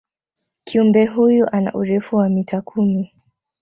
kiumbe huyu ana urefu wa mita kumi